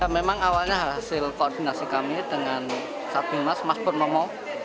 memang awalnya hasil koordinasi kami dengan satu mas purnomo